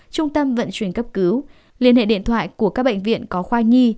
trung tâm vận chuyển cấp cứu liên hệ điện thoại của các bệnh viện có khoa nhi